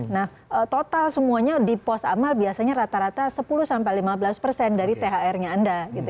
nah total semuanya di pos amal biasanya rata rata sepuluh lima belas persen dari thr nya anda